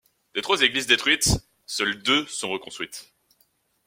Des trois églises détruites, seules deux sont reconstruites.